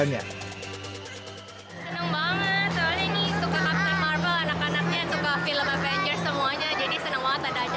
seneng banget soalnya ini suka captain marvel anak anaknya suka film avengers semuanya